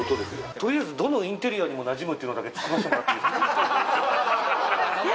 とりあえずどのインテリアにも馴染むっていうのだけツッコませてもらっていいですか？